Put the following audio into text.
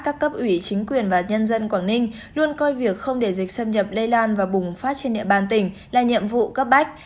các cấp ủy chính quyền và nhân dân quảng ninh luôn coi việc không để dịch xâm nhập lây lan và bùng phát trên địa bàn tỉnh là nhiệm vụ cấp bách